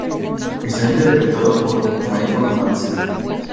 Está interpretado por Michael Madsen.